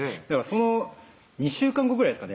その２週間後ぐらいですかね